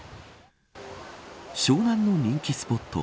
湘南の人気スポット